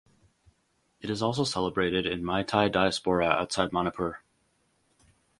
It is also celebrated in Meitei diaspora outside manipur.